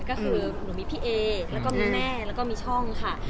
ก็คือหนูมีพี่เอแล้วก็มีแม่แล้วก็มีช่องค่ะ